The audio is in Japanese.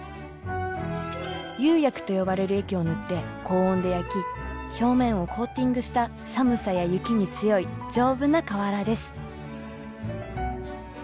釉薬と呼ばれる液を塗って高温で焼き表面をコーティングした寒さや雪に強い丈夫な瓦です。